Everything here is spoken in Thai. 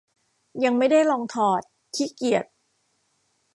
ยังไม่ได้ลองถอด ขี้เกียจ